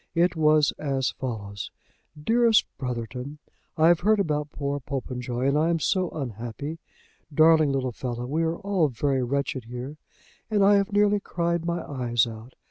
It was as follows: "DEAREST BROTHERTON, I have heard about poor Popenjoy, and I am so unhappy. Darling little fellow. We are all very wretched here, and I have nearly cried my eyes out.